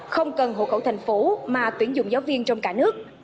không cần hộ khẩu thành phố mà tuyển dụng giáo viên trong cả nước